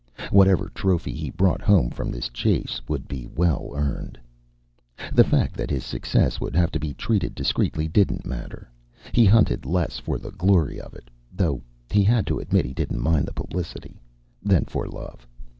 Whatever trophy he brought home from this chase would be well earned. The fact that his success would have to be treated discreetly didn't matter. He hunted less for the glory of it though he had to admit he didn't mind the publicity than for love.